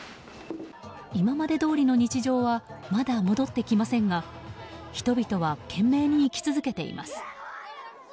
今までどおりの日常はまだ戻ってきませんが人々は懸命に生き続けています。